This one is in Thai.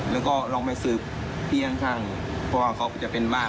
แล้วก็ลองไปสืบที่ข้างเพราะว่าเขาจะเป็นบ้าน